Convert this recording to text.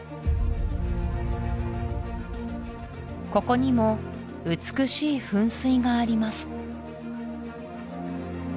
ここにも美しい噴水があります